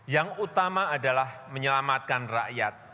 yang utama adalah menyelamatkan rakyat